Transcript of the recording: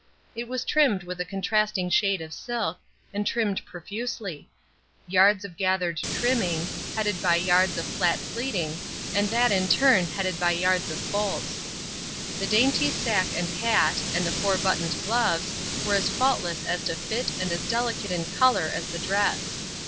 It was trimmed with a contrasting shade of silk, and trimmed profusely; yards of gathered trimming, headed by yards of flat pleating, and that in turn headed by yards of folds. The dainty sack and hat, and the four buttoned gloves, were as faultless as to fit and as delicate in color as the dress.